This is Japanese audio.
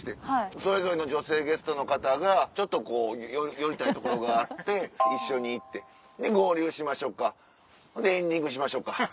それぞれの女性ゲストの方がちょっとこう寄りたいところがあって一緒に行ってで合流しましょうかほんでエンディングしましょうか。